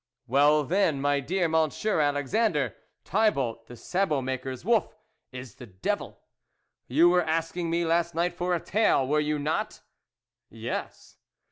" Well, then, my dear Monsieur Alex andre, Thibault, the sabot maker's wolf, is the devil. You were asking me last night for a tale, were you not ?" Yes."